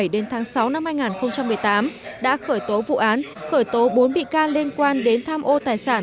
đến tháng sáu năm hai nghìn một mươi tám đã khởi tố vụ án khởi tố bốn bị can liên quan đến tham ô tài sản